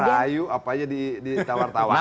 namanya serayu apa aja ditawar tawar